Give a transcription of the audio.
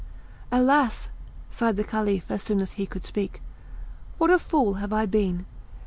"Alas!" sighed the Caliph, as soon as he could speak, "what a fool have I been!